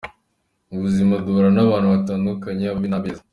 Mu buzima duhura n’abantu batandukanye : Ababi n’abeza.